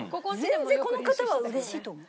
全然この方は嬉しいと思う。